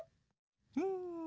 うん。